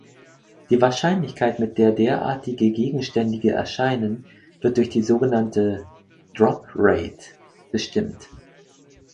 Die Wahrscheinlichkeit, mit der derartige Gegenständige erscheinen, wird durch die sogenannte "drop rate" bestimmt.